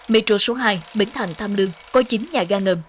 metro số hai bến thành tham lương có chín nhà ga ngầm